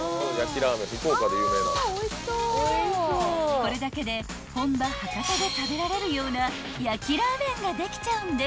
［これだけで本場博多で食べられるような焼きラーメンができちゃうんです］